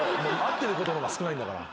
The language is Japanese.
合ってることの方が少ないんだから。